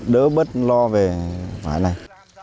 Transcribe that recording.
đỡ bớt lo về vải này